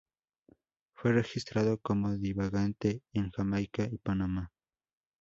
Fue registrado como divagante en Jamaica y Panamá.